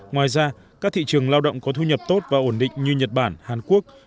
ngoài ra các thị trường lao động có thu nhập tốt và ổn định như nhật bản hàn quốc